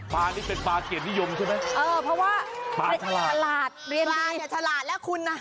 ปลานี่เป็นปลาเกลียดนิยมใช่ไหมปลาฉลาดแล้วคุณอ่ะ